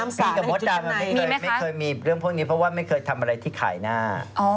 กับมดดำไม่เคยมีเรื่องพวกนี้เพราะว่าไม่เคยทำอะไรที่ขายหน้า